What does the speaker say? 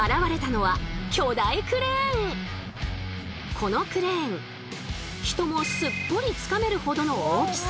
このクレーン人もすっぽりつかめるほどの大きさ。